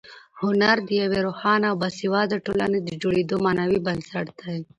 هنر د یوې روښانه او باسواده ټولنې د جوړېدو معنوي بنسټ دی.